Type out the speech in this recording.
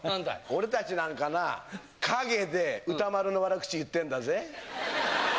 俺たちなんかな陰で歌丸の悪口言ってんだぜ。